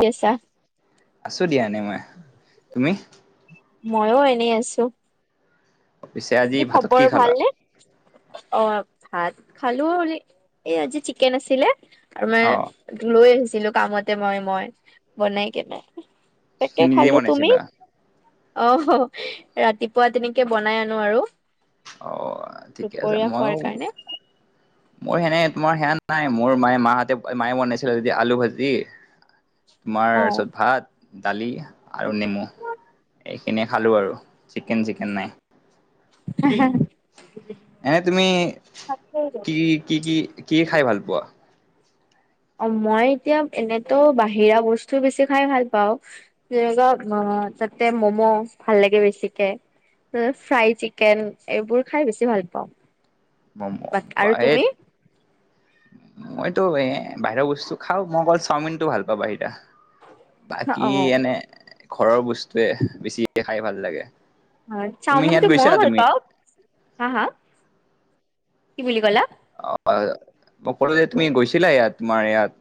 কি আছা আছো দিয়া এনে মই। তুমি? মইও এনেই আছো। পিছে আজি কি ভাতত খবৰ খালা? ভালনে? অ। ভাত খালো এ আজি চিকেন আছিলে আৰু অঁ মানে লৈ আহিছ- ছিলো কামতে মই মই বনাই কেনে তুমি তাকেই নিজে খালো। তুমি? বনাইছিলা? অ ৰাতিপুৱা তেনেকে বনাই আনো আৰু। অ ঠিকে আছে দুপৰীয়া খোৱাৰ মইও কাৰণে মোৰ সেনে তোমাৰ নাই মোৰ মায়ে মাহঁতে মায়ে বনাইছিলে তে আলু ভাজি তোমাৰ অ ভাত। দালি আৰু নেমু এইখিনিয়ে খালোঁ আৰু চিকেন চিকেন নাই। হে হে। এনে তুমি কি কি কি কি খাই ভাল পোৱা। অ মই এতিয়া এনেতো বাহিৰা বস্তু বেছি খাই ভাল পাওঁ যেনেকুৱা। অ তাতে মম' ভাল লাগে বেছিকে। ফ্ৰাই চিকেন এইবোৰ খাই বেছি ভাল পাওঁ। ম'ম বাক আৰু এ। তুমি মইতো এ বাহিৰৰ বস্তু খাওঁ মই অকল চাওমিনতটো ভাল পাওঁ বাহিৰা। বাকী অ এনে ঘৰৰ বস্তুৱে বেছি খাই ভাল লাগে। অ তুমি ইয়াত চাওমিনটো গৈছা মই ভাল তুমি পাওঁ হা হা কি বুলি কলা। অ মই অকলে তুমি গৈছিলা ইয়াত তোমাৰ ইয়াত।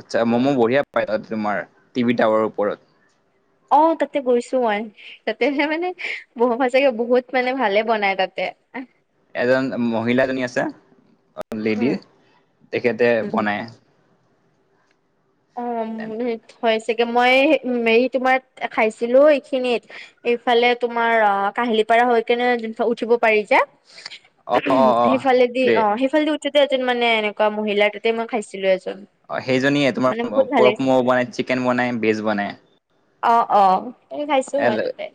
আচ্ছা মম বঢ়িয়া পায় তোমাৰ টিভি টাৱাৰৰ ওপৰত। অ তাতে গৈছো মই তাতে মানে বু বহুত মানে ভালে বনাই তাতে। [unintelligible] এজন মহিলা জনী আছে। লেডি উম, তেখেতে উম, বনাই। অহ। হয় চাগে মই হেৰি তোমাৰ খাইছিলো এইখিনিত এইফালে তোমাৰ অ। কাহিলীপাৰা হৈ কেনে যো উঠিব পাৰি যে অ অ অ সেইফালেদি সেইটোৱে অ সেইফালেদি। এজন মানে এনেকুৱা মহিলা ততেই মই খাইছিলো এজন। অ সেইজনী মানে তোমাৰ বহুত ভাল লাগিছে। পৰ্ক ম বনাই চিকেন বনাই ভেজ বনাই। অ অ হে খাইছো মই তাতে।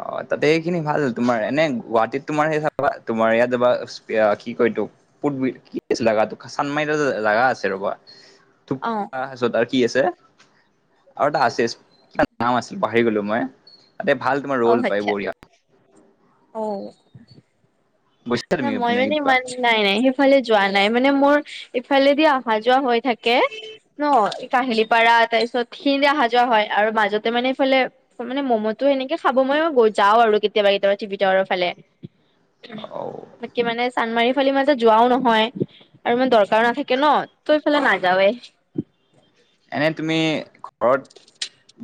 অ তাতে খিনি ভাল তোমাৰ এনে গুৱাহাটীত তোমাৰ সেই চাবা তোমাৰ ইয়াত যাবা কি কয় তো। কি আছিল জা চানমাৰিত জাগা আছিল ৰ'বা। অ' থোপকা কি আছে আৰু এটা আছে নাম আছিল পাহ। আহি গলো মই তাতে ভাল তোমাৰ অ' ৰল পাই আচ্ছা বঢ়িয়া অ গৈছা তুমি মই এইপিনে মানে কিবা ইমান নাই নাই সেইফালে যোৱা নাই মানে মোৰ ইফালেদি অহা যোৱা হৈ থাকে ন কাঁহিলিপাৰা তাৰ পিছত সি দে অহা যোৱা হয় আৰু মাজতে মানে এইফালে মানে ম'ম'তো সেনেকে খাব ম মই যাওঁ আৰু কেতিয়াবা কেতিয়াবা ভিতৰৰ ফালে অ বাকী মানে চান্মাৰি ফালে ইমান এটা যোৱাও নহয় আৰু মানে দৰকাৰ। নাথাকে ন ত এইফালে নাযাৱে। এনে তুমি ঘৰত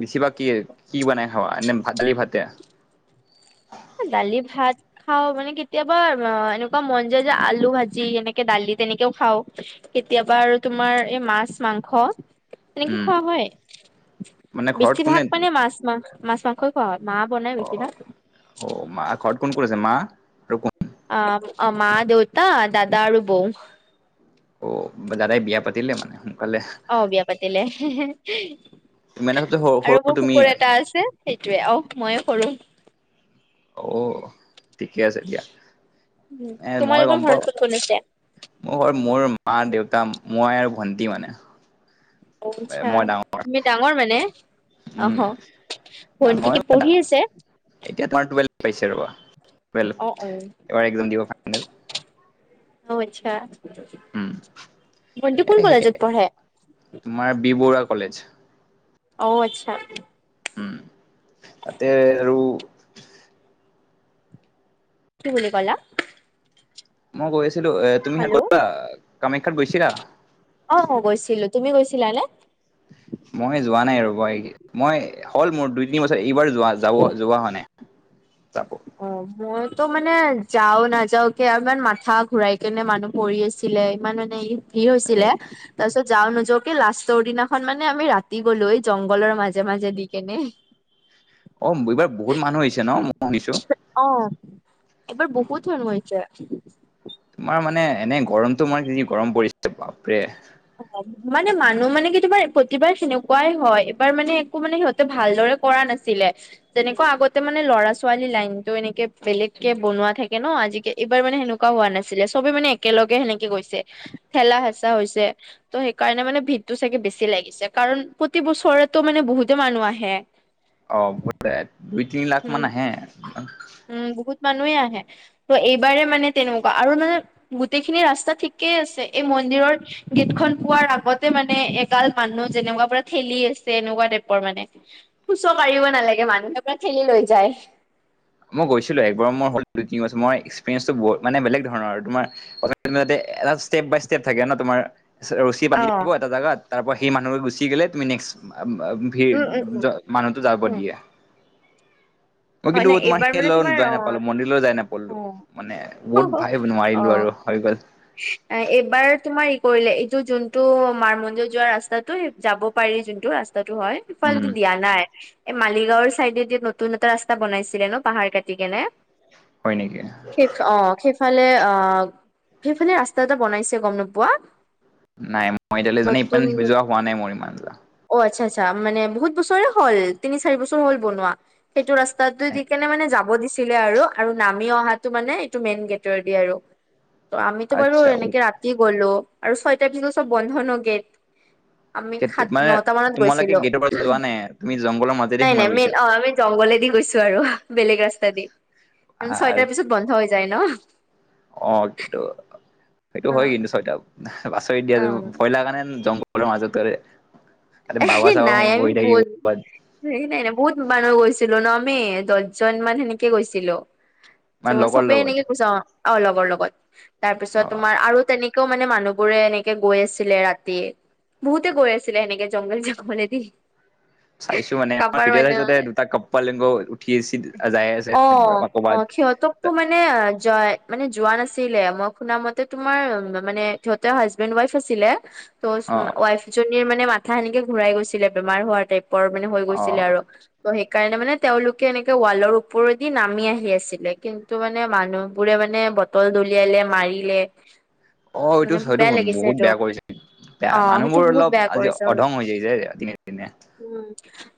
বেছিভাগ। কি কি বনাই খাবা এ ভাত নে দালি ভাতে। দালি ভাত খাওঁ মানে কেতিয়াবা এনেকুৱা মন যায় যে আলু ভাজি এনেকে দালি। তেনেকেও খাওঁ কেতিয়াবা আৰু তোমাৰ এই মাছ মাংস। এনেকে উম খোৱা হয় মানে ঘৰত কোনে বেছিভাগ মানে মাছ মা মাছ মাংসই খোৱা হয়। মা বনাই অ বেছি ভাগ। অ মা ঘৰত কোন কোন আছে। কোন অ অ মা দেউতা দাদা আৰু বৌ। অ দাদাই বিয়া পাতিলে মানে। সোনকালে অ বিয়া পাতিলে। তুমি মানে চবচে সৰু আৰু সৰু মোৰ তুমিয়ে কুকুৰ এটা আছে সেইটোয়ে অহ মইয়ে সৰু। অ ঠিকে আছে দিয়া। এ মই তোমালোকৰ গম পাওঁ ঘৰত কোন কোন আছে মোৰ ঘৰত মোৰ মা দেউতা। মই আৰু ভণ্টি মানে। আচ্ছা মই ডাঙৰ তুমি ডাঙৰ মানে। উম আহ ভণ্টি কি পঢ়ি আছে। পাইছা ৰবা অ অ এবাৰ এক্সাম দিব ফাইনেল। অ আচ্ছা উম ভণ্টি কোন এ সেই কলেজত পঢ়ে তোমাৰ বি বৰুৱা কলেজ অ আচ্ছা উম আতে আৰু কি বুলি কলা মই গৈ আছিলো এ তুমিহে হেল্ল' কৰিবা কামাখ্যাত গৈছিলা? অ অ গৈছিলো তুমি গৈছিলানে? মই যোৱা নাই আৰু মই হ'ল মোৰ দুই তিনি বছৰ এইবাৰ যোৱা যাব যোৱা হোৱা নাই যাব অ মইতো মানে যাও নাযাও কে আৰু ইমান মাথা ঘূৰাই কেনে মানুহ পৰি আছিলে ইমান মানে ই ভিৰ এ হৈছিলে তাৰপিছত যাওঁ নোযাওকে লাষ্টৰ দিনাখন মানে আমি ৰাতি গ'লো এই জংঘলৰ মাজে মাজে দি কেনে [inaudible] অ এইবাৰ বহুত মানুহ হৈছে ন মই শুনিছো অ এইবাৰ বহুত মানুহ আহিছে। তোমাৰ মানে এনে গৰমটো মাৰ কি গৰম পৰিছে বাপৰে অ মানে মানুহ মানে কি তোমাৰ প্ৰতিবাৰ সেনেকুৱাই হয় এইবাৰ মানে একো মানে সিহঁতে ভালদৰে কৰা নাছিলে তেনেকুৱা আগতে মানে ল'ৰা ছোৱালী লাইনতটো এনেকে বেলেগ কে বনোৱা থাকে ন অ আজিকাল এইবাৰ মানে সেনেকুৱা হোৱা নাছিলে চবে মানে একেলগে সেনেকে গৈছে ঠেলা হেঁচা হৈছে ত' সেইকাৰণে মানে ভিৰটো চাগে বেছি লাগিছে কাৰণ প্ৰতি বছৰে মানে বহুতে মানুহ আহে অ বহুত দুই তিনি উম লাখমান আহে উম বহুত মানুহে আহে ত' এইবাৰ মানে তেনেকুৱা আৰু মানে গোটেইখিনি ৰাস্তা ঠিক ঠিকে আছে এই মন্দিৰৰ গেট খন পোৱাৰ আগতে মানে এগাল মানুহ যেনেকুৱা পৰা ঠেলি আছে এনেকুৱা টাইপৰ মানে ফুচ মাৰিব নালাগে মানুহে পৰা ঠেলি লৈ যায় মই গৈছিলো একবাৰ মই হ'ল দুই তিন বছৰ মই এক্সৰিয়েন্ঞ্চটো মানে বেলেগ ধৰণৰ আৰু তোমাৰ ষ্টেপ বাই ষ্টেপ থাকে ন তোমাৰ ৰছী অ বান্ধি দিব এটা জাগাত তাৰ পৰা সেই মানুহ গুচি গলে তুমি নেক্সট্ ভিৰ উম উম উম মানুহতো যাব উম দিয়ে। মই হয় কিন্তু নাই তোমাৰ এইবাৰ সেই মানে তোমাৰ যাই অ নাপালো মন্দিৰলৈ যাই নাপালো মানে বহুত ভাই নোৱাৰিলো আৰু হয় গল। এ এইবাৰ তোমাৰ ই কৰিলে এইটো যোনটো মাৰ মন্দিৰত যোৱা ৰাস্তাতটো যাব পাৰি যোনটো ৰাস্তা টো হয় উম ইফালেদি দিয়া নাই। এই মালিগাঁওৰ চাইডে যে নতুন এটা ৰাস্তা বনাইছিলে ন পাহাৰ কাটি কেনে হয় নেকি অ সেইফালে আহ সেইফালে ৰাস্তা এটা বনাইছে গম নোপোৱা। নাই মই এতিয়ালৈ মানে নতুন ইপমান যোৱা হোৱা নাই মোৰ ইমান অ আচ্ছা আচ্ছা মানে বহুত বছৰে হ'ল তিনি চাৰি বছৰ হ'ল বনোৱা সেইটো ৰাস্তাত দি কেনে মানে যাব দি ছিলে আৰু আৰু নামি অহাটো মানে এইটো মেইন গেটৰেদি আৰু ত আমিতো বাৰো আচ্ছা এনেকে ৰাতি গলো আৰু ছয়টাৰ পিছত চব বন্ধ ন গেত আমি সাত মানে নটা মানত তোমালোকে গৈছিলো গেটৰ পৰা যোৱা নাই তুমি জংঘলৰ মাজেদি নাই সোমাই নাই মেইন গৈছা অ আমি জংঘলে দি গৈছো আৰু বেলেগ ৰাস্তা দি ছয়টাৰ পিছত বন্ধ হৈ যায় ন অ কিন্তু সেইটো অ হয় কিন্তু ছয়টা, পচৰিত দিয়া অ জানো ভয় লগা জংঘল বল মাজতেৰে [unintelligible] এ নাই আমি বল নাই নাই বহুত মানুহ গৈছিলো ন মে দহজন মান সেনেকে গৈছিলো ত মানে লগৰ চবে লগত এনেকে কৈছা অ লগৰ লগত তাৰপিছত অ তোমাৰ আৰু তেনেক কও মানে মানুহ বোৰে এনেকে গৈ আছিলে ৰাতি বহুতে গৈ আছিলে সেনেকে জংগল জংঘলেদি চাইছো মানে আমাৰ কাৰোবাৰ ভিডিঅ চাইছো মানে দুটা কপাল লিংগ উঠি যায় আছে কবাত সিহঁতকো মানে অ জয় মানে যোৱা নাছিলে মই শুনা মতে তোমাৰ মানে সিহঁতেৰ হাজবেণ্ড ৱাইফ আছিলে ত' অ ৱাইফ জনীৰ মানে মথা সেনেকে ঘূৰাই গৈছিলে বেমাৰ হোৱাৰ টাইপ পৰ মান হৈ অ গৈছিলে আৰু ত সেইকাৰণে মানে তেওঁলোকে এনেকে ৱালৰ ওপৰেদি নামি আহি আছিলে কিন্তু মানে মানুহ বোৰে মানে বটল দলিয়ালে মাৰিলে অ এইটো মানে হয়টো বেয়া লাগিছে বহুত সেইটো বেয়া কৰিছে বেয়া অ সেইটো মানুহবোৰ বহুত অলপ বেয়া আজি কৰিছে অধং হৈ যায়ছে দিনে দিনে। উম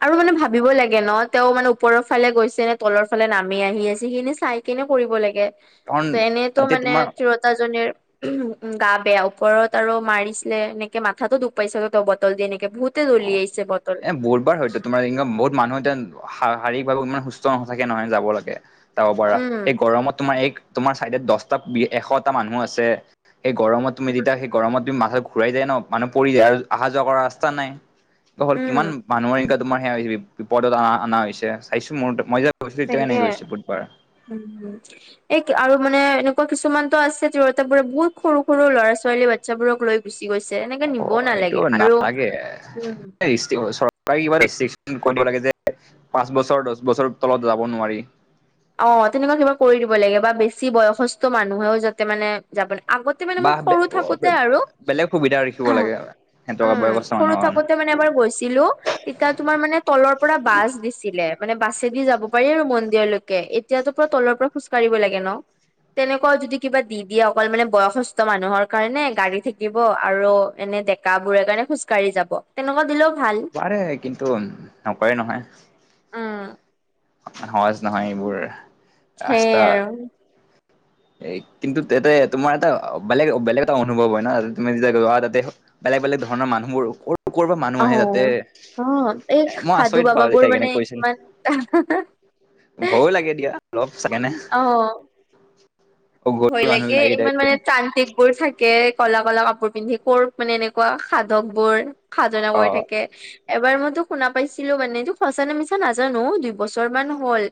আৰু মানে ভাবিব লাগে ন তেওঁ মানে ওপৰৰ ফালে গৈছে নে তলৰ ফালে নামি আহি আছে সেইখিনি চাই কি নে কৰিব লাগে কাৰণ ত এনেইতো তাতে মানে তোমাৰ তিৰোতাজনীৰ উম গা বেয়া ওপৰত আৰু মাৰিছিলে এনেকে মাথাতটো দুখ পাইছে ত বটল দি এনেকে বহুতে অ দলিয়াইছে বটল এ বহুবাৰ হয়তো তোমাৰ বহুত মানুহ এতিয়া। শাৰীকভাৱে ইমান সুস্থ নাথাকে নহয় যাব লাগে যাব পৰা উম এই গৰমত তোমাৰ এই তোমাৰ চাইডত দহটা এশটা মানুহ আছে সেই গৰমত তুমি উম যেতিয়া সেই গৰমত তুমি মা ঘূৰাই যায় ন মানুহ পৰি যায় আৰু অহা যোৱা কৰা ৰাস্তা নাই হল উম কিমান মানুহৰ এ তোমাৰ সেয়া হৈছে বিপদত অ অনা হৈছে চাইছো মোৰ মই যে গৈছিলো তেতিয়া চাগে এনেকে হৈছে বুধবাৰ। উমম এই আৰু মানে এনেকুৱা কিছুমানতো আছে য ত বোৰে বহুত সৰু ল'ৰা ছোৱালী বাচ্ছাবোৰক লৈ গৈছে এনেকে অ নিব এইটো নালাগে আৰু নালাগে উম চৰকাৰে কিব কৰিবলাগে যে পাঁচ বছৰ দহ বছৰ তলত যাব নোৱাৰি অ তেনেকুৱা কিবা কৰি দিব লাগে বা বেছি বয়সস্থ মানুহেও যাতে মানে যাব আগতে মানে মোক বাহ সৰু থাকোতে বে আৰু বেলেগ সুবিধা ৰাখিব লাগে সিহঁতৰ উম বয়সস্থ সৰু মানুহৰ কাৰণে থাকোতে মানে এবাৰ গৈছিলো তেতিয়া তোমাৰ মানে তলৰ পৰা বাছ দিছিলে মানে বাছেদি যাব পাৰি আৰু মন্দিৰলৈকে এতিয়াতো পুৰা তলৰ পৰা খোজকাঢ়িব লাগে ন তেনেকুৱাও যদি কিবা দি দিয়ে অকল মানে বয়সস্থ মানুহৰ কাৰণে গাড়ী থাকিব আৰু এনে ডেকা বোৰৰে কাৰণে খোজকাঢি যাব তেনেকুৱা দিলও পাৰে কিন্তু নকৰেই নহয় উম সহজ নহয় এইবোৰ সেইয়ে আৰু এ কিন্তু তাতে তোমাৰ এটা বেলেগ বেলেগ এটা অনুভৱ হয় ন তুমি যেতিয়া যোৱা তালে তাই বোলে ধৰণ মানুহবোৰ কৰ পৰা মানুহ আহে আৰু তাতে অ অ এই মই সাধু আচৰিত বাও বাবাবোৰ চাই মানে কেনে কৈছিল ইমান ভয়ো লাগে দিয়া অলপ চাইকেনে অ অঘৰী ভয় মানুহ লাগে লাগি ইমান থাকে মানে তান্তিক বোৰ থাকে কলা কলা কাপোৰ পিন্ধি কৰ মানে এনেকুৱা সাধক বোৰ সাধনা অ কৰি থাকে এবাৰ মইতো শুনা পাইছিলো মানে এইটো সঁচানে মিছা নাজানো দুই বছৰমান হ'ল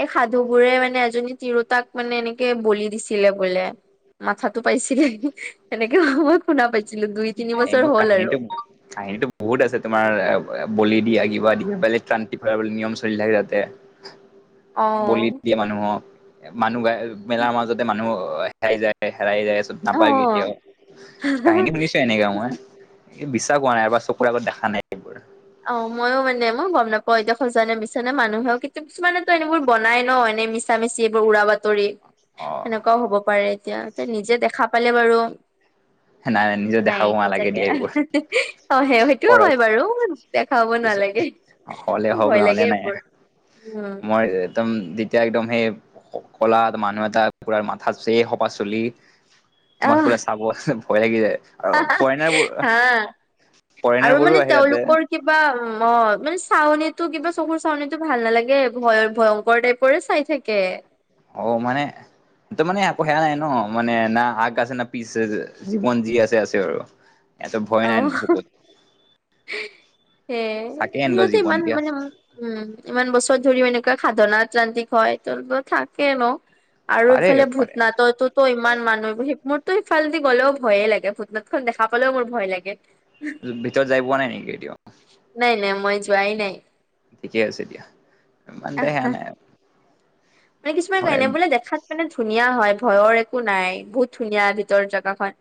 এই সাধু বোৰে মানে এজনী তিৰোতাক মানে এনেকে বলি দিছে ছিলে বোলে মাথাতো পাইছিলে সেনেকে মই শুনা পাইছ এ কাহিনীটো কাহিনীটো বহুত আছে তোমাৰ বলি দিয়া কিবা দিয়া বেলেগ ক্ৰান্তি ভৰা নিয়ম চলি থাকে তাতে অ বলি দিয়ে মানুহক মানুহ গ মেলাৰ মাজতে মানুহ হেৰাই যায়। হেৰাই যায় ছ অ নাপাই কেতিয়া কাহিনী হুনিছো এনেকে মই বিশ্বাস হোৱা নাই এবাৰ চকুৰ আগত দেখা নাই এইবোৰ। অ মইও মানে মই গম নাপা হয় এতিয়া সঁচানে মিছানে মানুহেও কিন্তু কিছুমানেতো এনেবোৰ বনাই ন এনে মিছা মিছি এইবোৰ উৰা বাতৰি অ সেনেকুৱাও হব পাৰে, এতিয়া এ নিজে দেখা পালে বাৰু নাই নিজে নাই দেখা পোৱা নালাগে সচাকে দিয়া এইবোৰ। অ সেই সেইটোও হয় কৰক বাৰু। দেখাব নালাগে, হলে হওক ভয় নহলে লাগে নাই এইবোৰ উম। মই একদম যেতিয়া একদম সেই কলাত মানুহ এটা কুকুৰাৰ মাথা চ এই সপা চুলি- তোমাকবোলে চাব ভয় লাগি যায়। আৰু হাহ হাহ ফৰেনাৰ বোৰ হা। ফৰেনাৰ আৰু বোৰো মানে আহে তাতে তেওঁলোকৰ কিবা অ মানে চাৱনি ত কিবা চকুৰ চাউনটো ভাল নালাগে, ভয় ভয়ংকৰ টাইপৰে চাই থাকে। অঔ মানে, তো মানে একো সেয়া নাই ন, মানে না আগ আছে না পিচ আছে, জীৱন যি আছে আছে আৰু। ইয়াতো ভয় নাই ন সপত সে এনেকুৱা সিহঁতে জীৱন ইমান দিয়া মানে উম ইমান বছৰ ধৰিম এনেকুৱা - সাধনা ক্লান্তিক হয়, তো থাকে ন। আৰু পাৰে ইফালে পাৰে ভূতনাথতো ইমান মানুহ সেই মোৰ ত স ইফালেদি গ'লেও ভয়ে লাগে, ভূটনাথখন দেখা পালেও মোৰ ভয় লাগে। ভিতৰত যাই পোৱা নাই নেকি কেতিয়াও? নাই নাই মই যোৱাই নাই। থিকেই আছে দিয়া বাদ দে সেয়ানে মানে কিছুমান এনে বোলে দেখাত মানে ধুনীয়া হয়, ভয়ৰ একো নাই, বহুত ধুনীয়া ভিতৰ জেগা খন।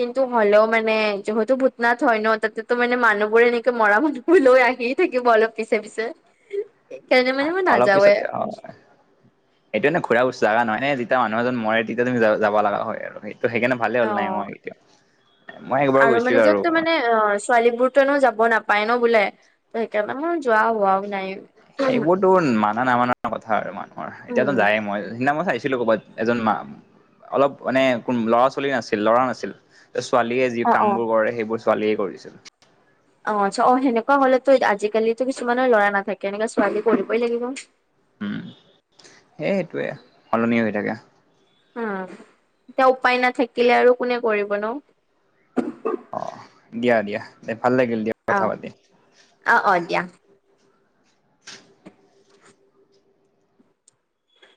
কিন্তু হ'লেও মানে যিহেতু ভূটনা হয় ন, তাতে তো মানে মানুহবোৰে এনেকে মৰা মানব লৈ আহিয়ে থাকিব অলপ পিছে পিছে। সেইকাৰণে মানে মই অলপ নাযাওৱে পিছতে আও এইটো এ ঘুৰা বস্ত জাগা নহয়ে, যেতিয়া মানুহ এজন মৰে তেতিয়া তুমি যাব লগা হয় আৰু সেইটো। ত' সেইকাৰণে ভালে হ'ল নাই অ মই এতিয়া। মই একবাৰ আৰু মানে গৈছিলো যাক তো মানে অ ছোৱালী বোৰনো যাব নাপ- পাই ন বোলে, ত সেইকাৰণে মই যোৱা হোৱাও নাই। সেইবোৰতো মানা নামানা কথা আৰু মানুহৰ এতিয়াতো উম যায়, মই সিদিনা মই চাইছো। ছিলো ক'ৰবাত এজন মা অলপ মানে কোন ল'ৰা ছোৱালী নাছিল ল'ৰা নাছিল, ছোৱালীয়ে যি অ অ কামবোৰ কৰে সেইবোৰ ছোৱালীয়ে কৰিছিল। অ আচ্ছা অ সেনেকোৱা হলেতো আজিকালিতো কিছুমানৰ ল'ৰা নাথাকে এনে ছোৱালী কৰিবই লাগিব। উম, সেই সেইটোয়ে সলনি হৈ থাকে। উম, এতিয়া উপায় নাথাকিলে আৰু কোনে কৰিব ন। [unintelligible] দিয়া দিয়া দে ভাল লাগিল দিয়া অ কথা পাতি। অ অ দিয়া